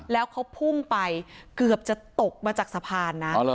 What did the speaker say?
แล้วเขาพุ่งไปเกือบจะตกมาจากสะพานนะ